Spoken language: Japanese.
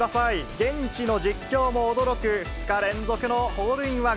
現地の実況も驚く、２日連続のホールインワン。